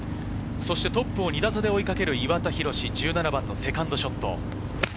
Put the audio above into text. トップを２打差で追いかける岩田寛、１７番セカンドショット。